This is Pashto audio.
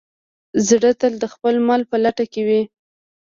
زړه تل د خپل مل په لټه کې وي.